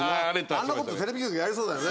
あんな事テレビ局やりそうだよね。